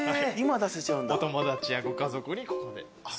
お友達やご家族にここで。